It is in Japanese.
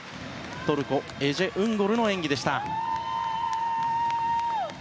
トルコエジェ・ウンゴルの演技でした。